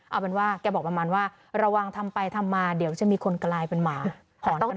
เอาเป็นว่าแกบอกประมาณว่าระวังทำไปทำมาเดี๋ยวจะมีคนกลายเป็นหมา